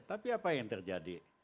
tapi apa yang terjadi